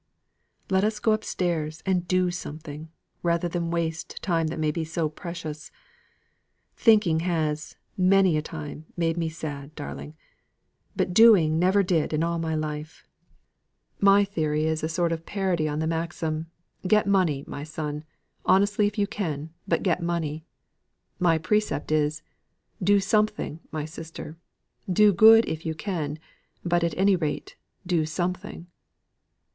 Let us go upstairs, and do something, rather than waste time that may be so precious. Thinking has, many a time, made me sad, darling; but doing never did in all my life. My theory is a sort of parody on the maxim of 'Get money, my son, honestly if you can; but get money.' My precept is, 'Do something my sister, do good if you can; but, at any rate, do something.